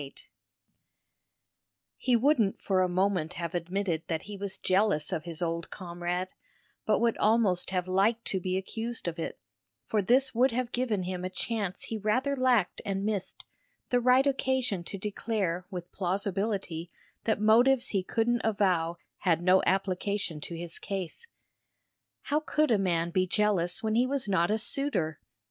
XXXVIII He wouldn't for a moment have admitted that he was jealous of his old comrade, but would almost have liked to be accused of it: for this would have given him a chance he rather lacked and missed, the right occasion to declare with plausibility that motives he couldn't avow had no application to his case. How could a man be jealous when he was not a suitor?